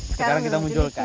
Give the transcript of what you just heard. sekarang kita munculkan